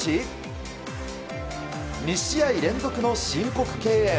２試合連続の申告敬遠。